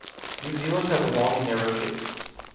New Zealand has a long and narrow shape.